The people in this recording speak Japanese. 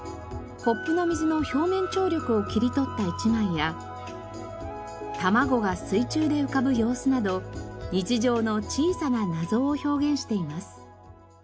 コップの水の表面張力を切り取った一枚や卵が水中で浮かぶ様子など日常の小さな謎を表現しています。